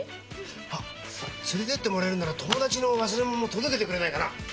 あっ連れてってもらえるなら友達の忘れ物も届けてくれないかな。